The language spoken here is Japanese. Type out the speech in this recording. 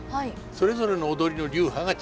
それぞれの踊りの流派が違う。